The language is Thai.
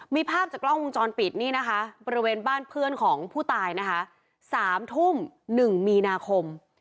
มีภาพจากกล้องวงจรปิดนี่นะคะบริเวณบ้านเพื่อนของผู้ตายนะคะ๓ทุ่ม๑มีนาคม